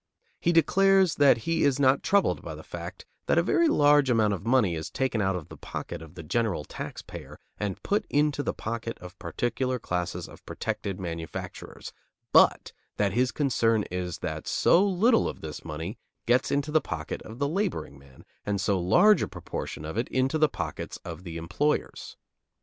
He declares that he is not troubled by the fact that a very large amount of money is taken out of the pocket of the general taxpayer and put into the pocket of particular classes of "protected" manufacturers, but that his concern is that so little of this money gets into the pocket of the laboring man and so large a proportion of it into the pockets of the employers.